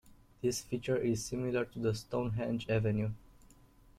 This feature is similar to the Stonehenge Avenue.